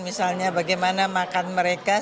misalnya bagaimana makan mereka